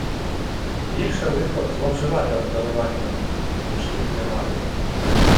Більше лихо зловживати обдаруваннями, ніж їх не мати.